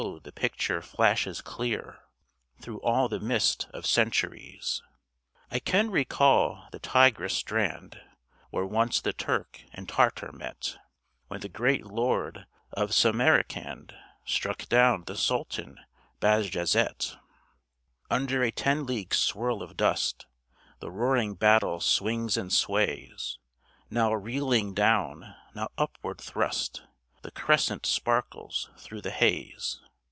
the picture flashes clear, Through all the mist of centuries. I can recall the Tigris' strand, Where once the Turk and Tartar met, When the great Lord of Samarcand Struck down the Sultan Bajazet. Under a ten league swirl of dust The roaring battle swings and sways, Now reeling down, now upward thrust, The crescent sparkles through the haze.